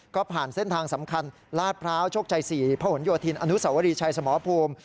ก็ผ่านเส้นทางสำคัญลาดพร้าวโชคชัย๔พระหลโยธินอนุสวรีชัยสมภูมิ